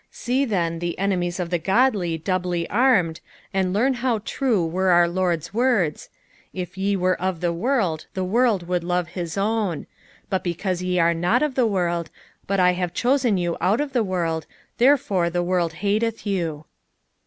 Sec, then, the enemies of the godly doubly armed, and learn how true were our Lord's words, "If ye were of the world, the world would love his own : but because ye are not of the world, but I have chosen you out of the world, therefore the world iiateth you."